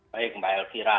baik mbak elvira